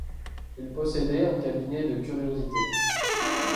Il possédait un cabinet de curiosités.